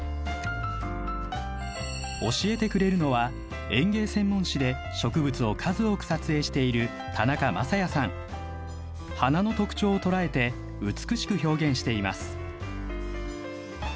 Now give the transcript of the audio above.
教えてくれるのは園芸専門誌で植物を数多く撮影している花の特徴を捉えて美しく表現しています。